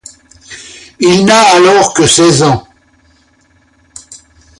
Il n'a alors que seize ans.